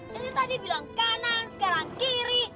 dari tadi bilang kanan sekarang kiri